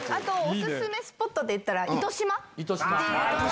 おすすめスポットでいったら。